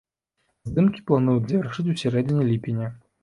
Здымкі плануюць завяршыць у сярэдзіне ліпеня.